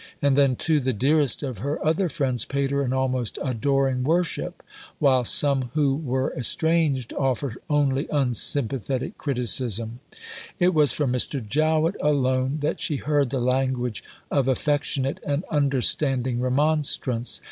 And then, too, the dearest of her other friends paid her an almost adoring worship, whilst some who were estranged offered only unsympathetic criticism. It was from Mr. Jowett alone that she heard the language of affectionate and understanding remonstrance.